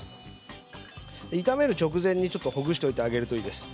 炒める直前にほぐしてあげるといいです。